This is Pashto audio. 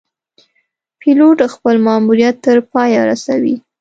پیلوټ خپل ماموریت تر پایه رسوي.